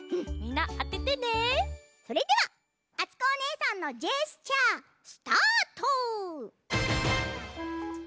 それではあつこおねえさんのジェスチャースタート！